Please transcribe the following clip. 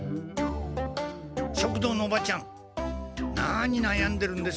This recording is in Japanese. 食堂のおばちゃん何なやんでるんですか？